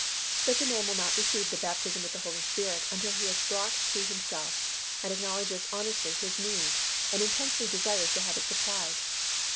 Such a man will not receive the baptism with the Holy Spirit until he is brought to himself and acknowledges honestly his need and intensely desires to have it supplied.